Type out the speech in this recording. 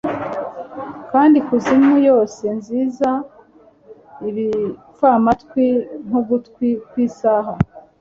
kandi ikuzimu yose nziza, ibipfamatwi nk'ugutwi kw'isaha,